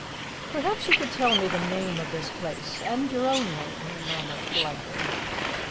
"Perhaps you could tell me the name of this place and your own name?" he murmured politely.